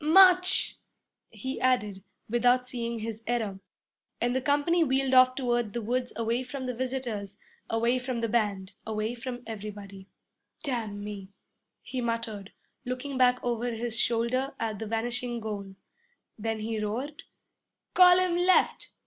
'March!' he added, without seeing his error. And the company wheeled off toward the woods away from the visitors, away from the band, away from everybody. 'Damn me!' he muttered, looking back over his shoulder at the vanishing goal. Then he roared, 'Column left!